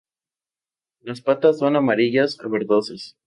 Las patas son amarillas a verdosas.